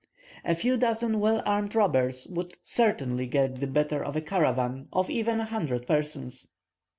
A few dozen well armed robbers would certainly get the better of a caravan of even a hundred persons.